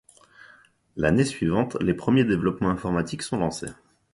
L'année suivante, les premiers développements informatiques sont lancés.